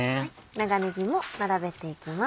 長ねぎも並べていきます。